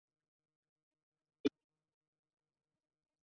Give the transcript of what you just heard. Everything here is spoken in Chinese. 野桐为大戟科野桐属下的一个变种。